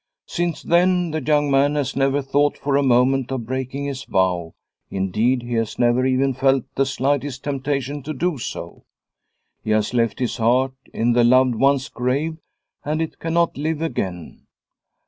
Since then the young man has never thought for a moment of breaking his vow, indeed he has never even felt the slightest temptation to do so. He has left his heart in the loved one's grave and it cannot live again.